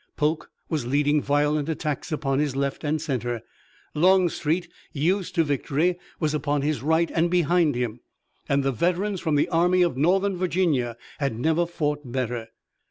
Polk was leading violent attacks upon his left and center. Longstreet, used to victory, was upon his right and behind him, and the veterans from the Army of Northern Virginia had never fought better.